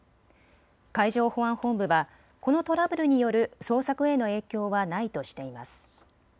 海上保安本部はこのトラブルによる捜索への影響はないとしています。